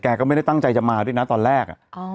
ก็ไม่ได้ตั้งใจจะมาด้วยนะตอนแรก